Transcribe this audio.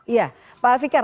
iya pak fikar